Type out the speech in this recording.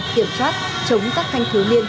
kiểm tra chống các thanh cứu niên